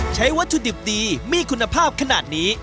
ใช้วัตถุดิบดีมีคุณภาพขนาดนี้